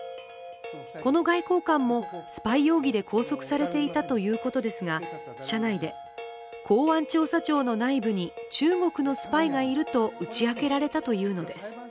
この外交官もスパイ容疑で拘束されていたということですが、車内で、公安調査庁の内部に中国のスパイがいると打ち明けられたというのです。